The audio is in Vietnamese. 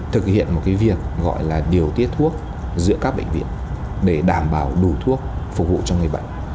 thực hiện một việc gọi là điều tiết thuốc giữa các bệnh viện để đảm bảo đủ thuốc phục vụ cho người bệnh